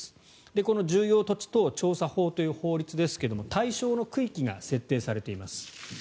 この重要土地等調査法という法律ですが対象の区域が設定されています。